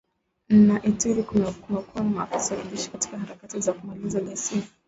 na Ituri na kuwaweka maafisa wa kijeshi katika harakati za kumaliza ghasia.